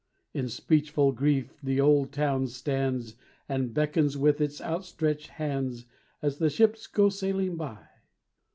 In speechful grief the old town stands And beckons with its outstretched hands As the ships go sailing by.